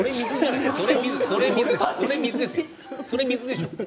それは水でしょう？